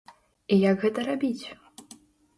І як гэта рабіць?